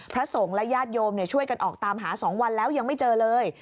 พระสงฆ์และญาติโยมช่วยกันออกตามหา๒วันแล้วยังไม่เจอเลย